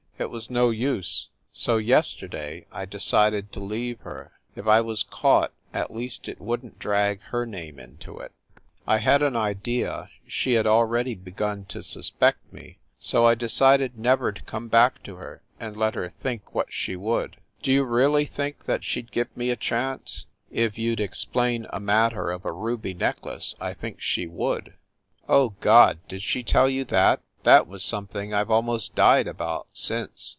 It was no use. So, yesterday, I decided to leave her. If I was caught, at least it wouldn t drag her name into it. I had an 294 FIND THE WOMAN idea she had already begun to suspect me, so I de cided never to come back to her, and let her think what she would. Do you really think that she d give me a chance ?" "If you d explain a matter of a ruby necklace, I think she would." "Oh God! Did she tell you that? That was something I ve almost died about, since.